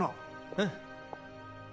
うん。